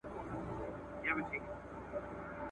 له بل لوري بله مینه سم راوړلای `